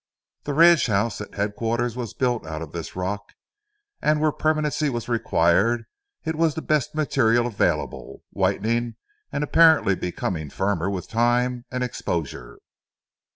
The ranch house at headquarters was built out of this rock, and where permanency was required, it was the best material available, whitening and apparently becoming firmer with time and exposure.